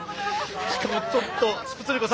しかもちょっとスプツニ子！